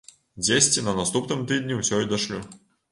Дзесьці на наступным тыдні ўсё і дашлю.